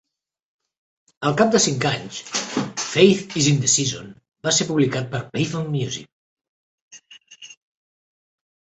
Al cap de cinc anys, "Faith Is in Season" va ser publicat per Pavement Music.